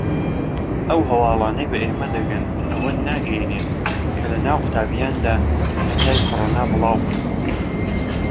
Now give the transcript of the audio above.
ئەو هەواڵانەی بە ئێمە دەگەن ئەوە ناگەیەنێت کە لەناو قوتابییاندا پەتای کۆرۆنا بڵاوبۆتەوە.